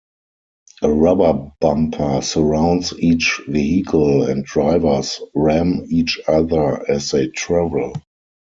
A rubber bumper surrounds each vehicle, and drivers ram each other as they travel.